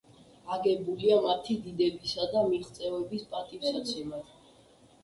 აგებულია მათი დიდებისა და მიღწევების პატივსაცემად.